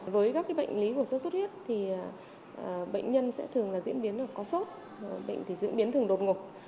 với các bệnh lý của sốt xuất huyết thì bệnh nhân sẽ thường là diễn biến là có sốt bệnh thì diễn biến thường đột ngột